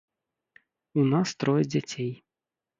У нас трое дзяцей.